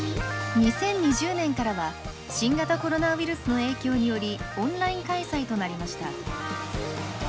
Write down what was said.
２０２０年からは新型コロナウイルスの影響によりオンライン開催となりました。